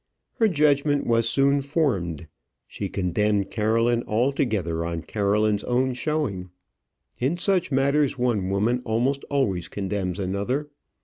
Her judgment was soon formed. She condemned Caroline altogether on Caroline's own showing. In such matters one woman almost always condemns another.